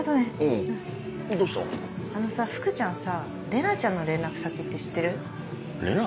あのさ福ちゃんさ玲奈ちゃんの連絡先って知ってる？